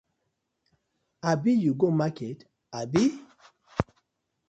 Abi you go market abi?